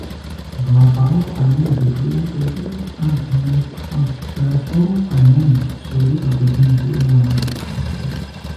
«Гъэкъауэ къэнэн» жыхуиӏэм къикӏыр Ӏэгу нэщӀ ӀэщӀ джафэу къэнэн, псори ӀэщӀэкӀын жиӏэу аращ.